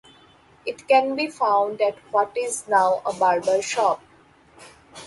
It can be found at what is now a barber shop.